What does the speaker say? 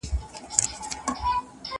زه له سهاره کښېناستل کوم!!